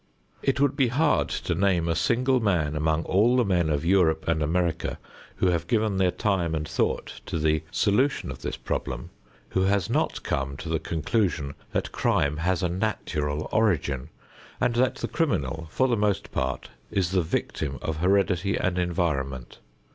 It would be hard to name a single man among all the men of Europe and America who have given their time and thought to the solution of this problem, who has not come to the conclusion that crime has a natural origin, and that the criminal for the most part is the victim of heredity and environment.